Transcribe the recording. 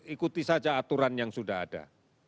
ikuti saja aturan yang sudah ada